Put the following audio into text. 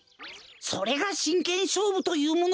それがしんけんしょうぶというもの。